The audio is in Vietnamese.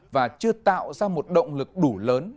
và chưa tạo ra một động lực đủ